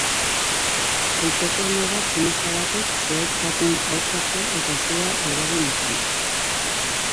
Litekeena da tximista batek zuhaitz baten aurka jo eta sua eragin izana.